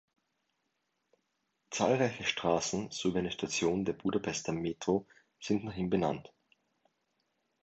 Zahlreiche Straßen sowie eine Station der Budapester Metro sind nach ihm benannt.